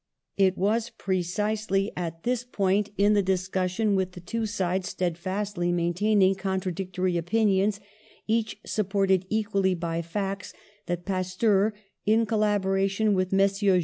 It was precisely at this 124 PASTEUR point in the discussion, with the two sides steadfastly maintaining contradictory opinions, each supported equally by facts, that Pasteur, in collaboration with Messrs.